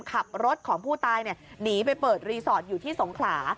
ขับรถของผู้ตายหนีไปเปิดรีสอร์ทอยู่ที่สงขลา